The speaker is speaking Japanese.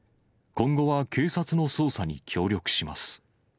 今後は警察の捜査に協力します。